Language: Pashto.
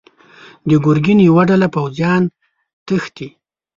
د ګرګين يوه ډله پوځيان تښتي.